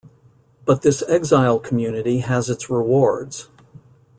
But this exile community has its rewards.